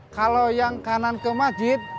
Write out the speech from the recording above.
kalau yang kanan ke masjid